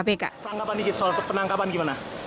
tanggapan dikit soal penangkapan gimana